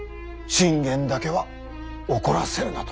信玄だけは怒らせるなと。